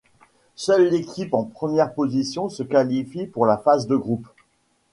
Seule l'équipe en première position se qualifie pour la phase de groupes.